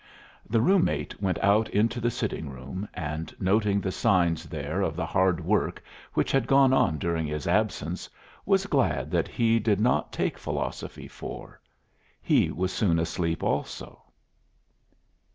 The room mate went out into the sitting room, and noting the signs there of the hard work which had gone on during his absence, was glad that he did not take Philosophy 4. He was soon asleep also.